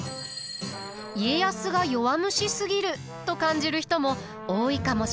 家康が弱虫すぎると感じる人も多いかもしれません。